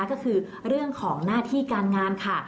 ก็คือเรื่องของหน้าที่การงานค่ะ